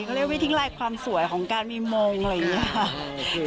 เขาเรียกว่าทิ้งลายความสวยของการมีมงอะไรอย่างนี้ค่ะ